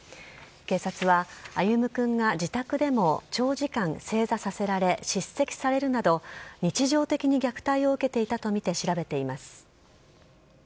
警察は、歩夢くんが自宅でも長時間正座させられ、叱責されるなど、日常的に虐待を受けていたと見て調べています。